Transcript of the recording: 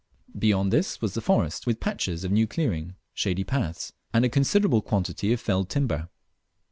Beyond this was the forest with patches of new clearing, shady paths, and a considerable quantity of felled timber.